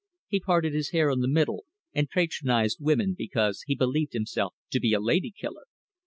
He parted his hair in the middle, and patronised women because he believed himself to be a lady killer.